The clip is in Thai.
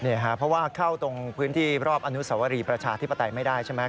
เพราะว่าเข้าตรงพื้นที่รอบอนุสวรีประชาธิปไตยไม่ได้ใช่ไหม